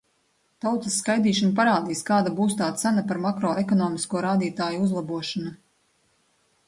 Tautas skaitīšana parādīs, kāda būs tā cena par makroekonomisko rādītāju uzlabošanu.